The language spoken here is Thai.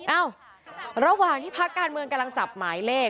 เอ้าระหว่างที่พักการเมืองกำลังจับหมายเลข